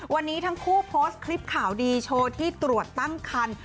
วันนี้ทั้งคู่โพสต์คลิปข่าวดีโชว์ที่ตรวจตั้งคัน